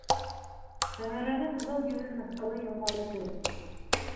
- Сәмәрәнең һылыу йөҙөн мыҫҡыллы йылмайыу телеп үтте.